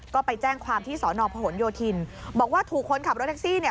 ก็ไปแจ้งความที่สอนอพหนโยธินบอกว่าถูกคนขับรถแท็กซี่เนี่ย